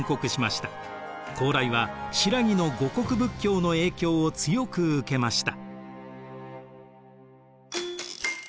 高麗は新羅の護国仏教の影響を強く受けました。